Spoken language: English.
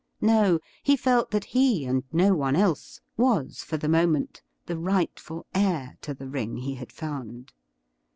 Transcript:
No ; he felt that he, and no one else, was for the moment the rightful heir to the ring he had found.